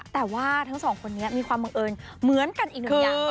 แต่ว่าทั้งสองคนนี้มีความบังเอิญเหมือนกันอีกหนึ่งอย่าง